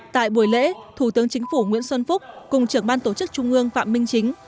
tại buổi lễ thủ tướng chính phủ nguyễn xuân phúc cùng trưởng ban tổ chức trung ương phạm minh chính